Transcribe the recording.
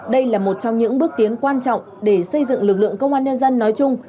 đây là một trong những bước tiến quan trọng để xây dựng lực lượng công an nhân dân nói chung